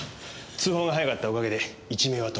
通報が早かったおかげで一命は取り留めました。